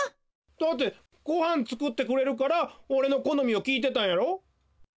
だってごはんつくってくれるからおれのこのみをきいてたんやろ？